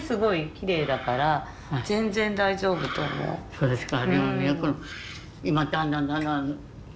そうですか。